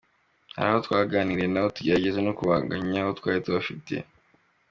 Hari abo twaganiriye nabo tugerageza no kugabanya ayo twari tubafitiye.